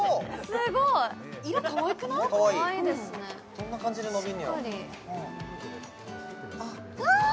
どんな感じで伸びんのやろうわ！